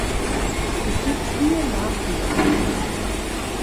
Es gibt vier Larvenstadien.